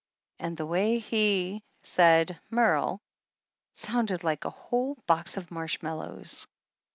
And the way he said "Merle" sounded like a whole box of marshmallows.